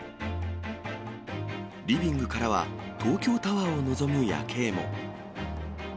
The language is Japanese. リビングからは東京タワーを望む夜景も。